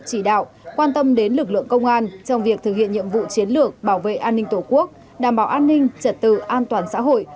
chỉ đạo quan tâm đến lực lượng công an trong việc thực hiện nhiệm vụ chiến lược bảo vệ an ninh tổ quốc đảm bảo an ninh trật tự an toàn xã hội